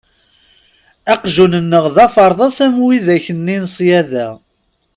Aqjun-nneɣ d aferḍas am widak-nni n ṣyada.